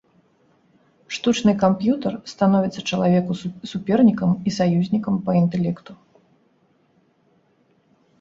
Штучны камп'ютар становіцца чалавеку супернікам і саюзнікам па інтэлекту.